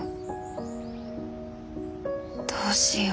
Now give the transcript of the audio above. どうしよう。